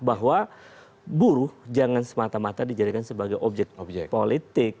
bahwa buruh jangan semata mata dijadikan sebagai objek politik